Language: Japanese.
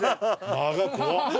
間が怖っ！